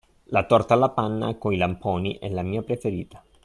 La torta alla panna con i lamponi è la mia preferita.